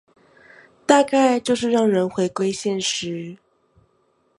大概就是讓人回歸現實